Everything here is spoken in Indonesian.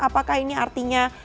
apakah ini artinya